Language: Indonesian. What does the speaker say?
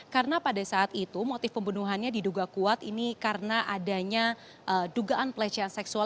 karena pada saat itu motif pembunuhannya diduga kuat ini karena adanya dugaan pelecehan seksual